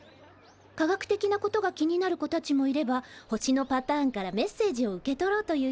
科学的なことが気になる子たちもいれば星のパターンからメッセージを受け取ろうという人もいる。